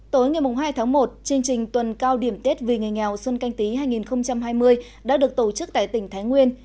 tối ngày hai tháng một chương trình tuần cao điểm tết vì người nghèo xuân canh tí hai nghìn hai mươi đã được tổ chức tại tỉnh thái nguyên